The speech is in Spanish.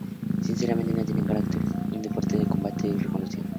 Sinceramente, no tenía carácter para un deporte de combate", reconoció.